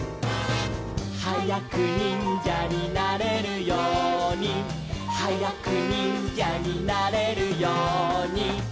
「はやくにんじゃになれるように」「はやくにんじゃになれるように」